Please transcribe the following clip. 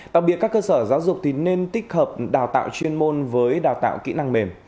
đặc biệt các cơ sở giáo dục thì nên tích hợp đào tạo chuyên môn với đào tạo kỹ năng mềm